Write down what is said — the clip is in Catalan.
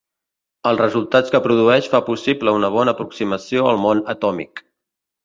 Els resultats que produeix fa possible una bona aproximació al món atòmic.